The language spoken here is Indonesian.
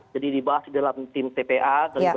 jadi dibahas dalam tim tpa